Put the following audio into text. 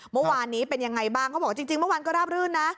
เมื่อวานนี้เป็นยังไงบ้างเขาบอกจริงเมื่อวานก็ราบรื่นนะ